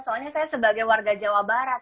soalnya saya sebagai warga jawa barat